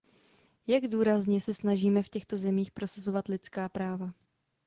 Jak důrazně se snažíme v těchto zemích prosazovat lidská práva?